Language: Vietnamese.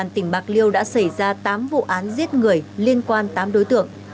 tỉnh bạc liêu đã xảy ra tám vụ án giết người liên quan tám đối tượng